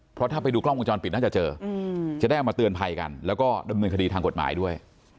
เพราะถ้าไปดูกล้องวงจรปิดน่าจะเจอจะได้เอามาเตือนภัยกันแล้วก็ดำเนินคดีทางกฎหมายด้วย